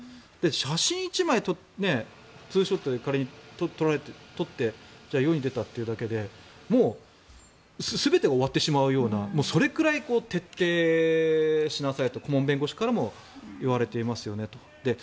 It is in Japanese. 写真１枚ツーショットで仮に撮ってじゃあ、世に出たというだけでもう全てが終わってしまうようなそれくらい徹底しなさいと顧問弁護士からも言われていますよね。